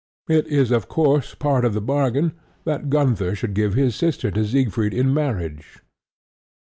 It is of course part of the bargain that Gunther shall give his sister to Siegfried in marriage.